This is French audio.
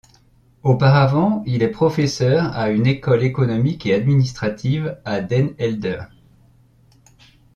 Auparavant il est professeur à une école économique et administrative à Den Helder.